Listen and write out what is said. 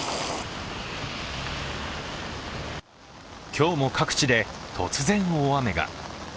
今日も各地で突然大雨が。